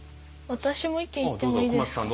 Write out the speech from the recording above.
私も意見言ってもいいですか？